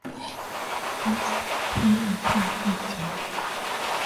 因此辉钼矿易解理。